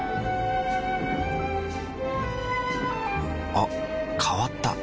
あ変わった。